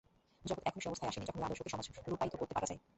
জগৎ এখনও সে অবস্থায় আসেনি, যখন ঐ আদর্শকে সমাজে রূপায়িত করতে পারা যায়।